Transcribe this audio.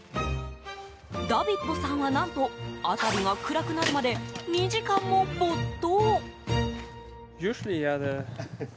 ダビットさんは何と、辺りが暗くなるまで２時間も没頭！